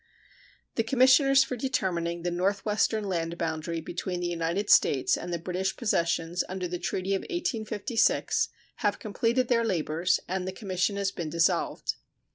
The commissioners for determining the northwestern land boundary between the United States and the British possessions under the treaty of 1856 have completed their labors, and the commission has been dissolved.